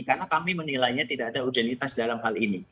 karena kami menilainya tidak ada urgenitas dalam hal ini